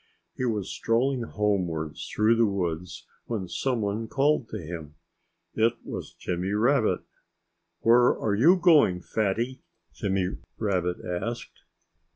He was strolling homewards through the woods when someone called to him. It was Jimmy Rabbit. "Where are you going, Fatty?" Jimmy Rabbit asked.